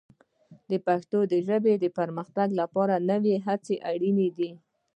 د پښتو ژبې د پرمختګ لپاره نوې هڅې اړینې دي.